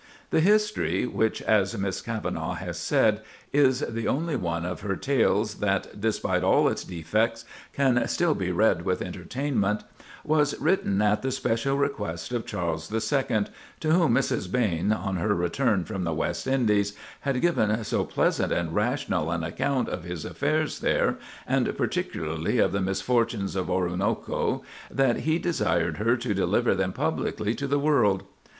The history—which, as Miss Kavanagh has said, "is the only one of her tales that, spite of all its defects, can still be read with entertainment"—was written at the special request of Charles the Second, to whom Mrs. Behn, on her return from the West Indies, had given "so pleasant and rational an account of his affairs there, and particularly of the misfortunes of Oroonoko, that he desired her to deliver them publicly to the world."